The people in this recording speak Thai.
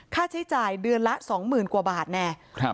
ค่าใช้จ่ายเดือนละสองหมื่นกว่าบาทแน่ครับ